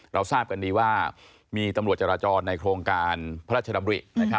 เราทราบกันดีว่ามีตำรวจจราจรในโครงการพระราชดำริ